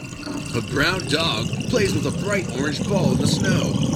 A brown dog plays with a bright orange ball in the snow.